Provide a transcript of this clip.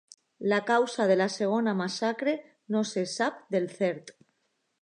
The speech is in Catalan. La causa de la segona massacre no se sap del cert.